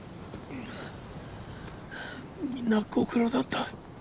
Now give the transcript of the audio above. みんなご苦労だった。